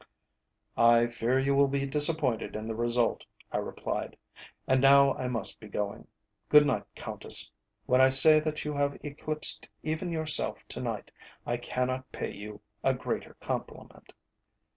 "I fear you will be disappointed in the result," I replied. "And now I must be going. Good night, Countess. When I say that you have eclipsed even yourself to night, I cannot pay you a greater compliment."